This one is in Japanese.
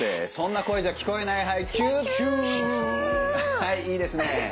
はいいいですね。